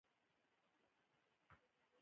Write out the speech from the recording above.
په دوی کې ډېر کسان پر دې خبره نه پوهېدل